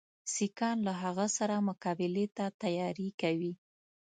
سیکهان له هغه سره مقابلې ته تیاری کوي.